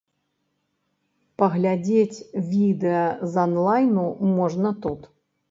Паглядзець відэа з анлайну можна тут.